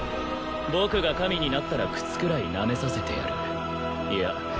僕が神になったら靴くらいなめさせてやるいや